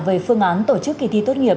về phương án tổ chức kỳ thi tốt nghiệp